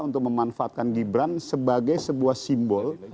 untuk memanfaatkan gibran sebagai sebuah simbol